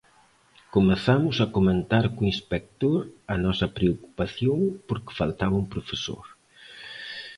Comezamos a comentar co inspector a nosa preocupación porque faltaba un profesor.